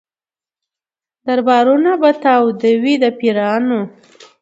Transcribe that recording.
دربارونه به تاوده وي د پیرانو